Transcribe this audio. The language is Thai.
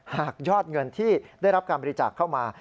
หากยอดเงินที่ได้รับการบริจาคเข้ามา